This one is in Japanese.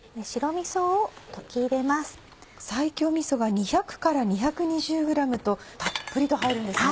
みそが２００から２２０ｇとたっぷりと入るんですね。